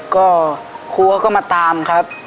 ก็ครูเขาก็มาตามครับ